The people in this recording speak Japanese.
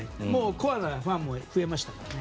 コアなファンも増えましたからね。